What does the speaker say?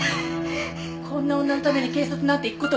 こんな女のために警察なんて行く事ない。